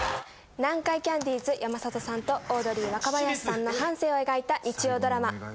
南海キャンディーズ山里さんとオードリー若林さんの半生を描いた。